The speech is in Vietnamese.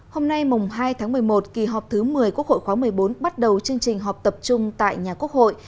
hôm nay mùng hai tháng một mươi một kỳ họp thứ một mươi quốc hội khóa một mươi bốn bắt đầu chương trình họp tập trung tại nhà quốc hội